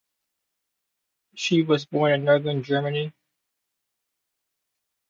She was born in Northern Germany.